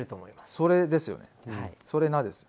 それですよねそれなですよ。